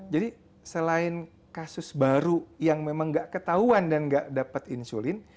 jadi selain kasus baru yang memang gak ketahuan dan gak dapat insulin